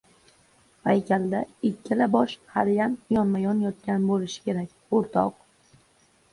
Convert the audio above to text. Paykalda ikkala bosh haliyam yonma-yon yotgan bo‘lishi kerak, o‘rtoq...